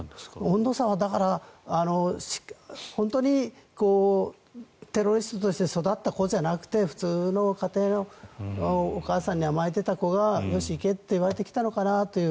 温度差は本当にテロリストとして育った子じゃなくて普通の家庭のお母さんに甘えていた子がよし、行けと言われて来たのかなという。